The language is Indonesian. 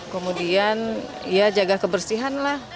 kemudian ya jaga kebersihan lah